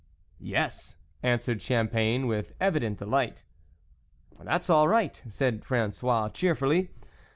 " Yes," answered Champagne, with evident delight. " That's all right," said Francois cheer fully.